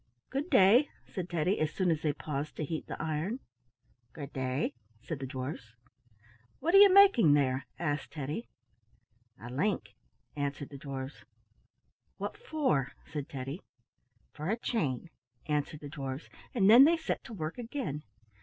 "Good day," said Teddy, as soon as they paused to heat the iron. "Good day," said the dwarfs. "What are you making there?" asked Teddy. "A link," answered the dwarfs. "What for?" said Teddy. "For a chain," answered the dwarfs, and then they set to work again.